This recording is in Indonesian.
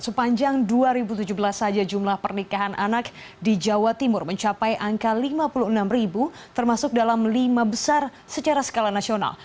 sepanjang dua ribu tujuh belas saja jumlah pernikahan anak di jawa timur mencapai angka lima puluh enam ribu termasuk dalam lima besar secara skala nasional